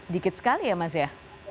sedikit sekali ya mas ya